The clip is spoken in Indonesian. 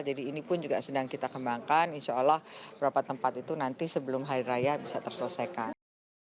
jadi ini pun juga sedang kita kembangkan insya allah beberapa tempat itu nanti sebelum hari raya bisa terselesaikan